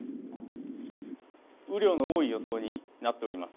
雨量の多い予想になっております。